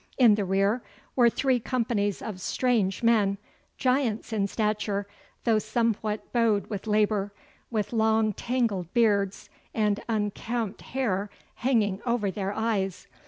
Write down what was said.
In the rear were three companies of strange men, giants in stature, though somewhat bowed with labour, with long tangled beards, and unkempt hair hanging over their eyes.